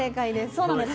そうなんです。